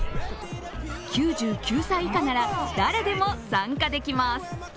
９９歳以下なら誰でも参加できます。